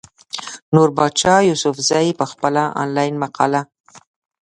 نوربادشاه يوسفزۍ پۀ خپله انلاين مقاله